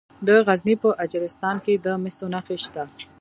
د غزني په اجرستان کې د مسو نښې شته.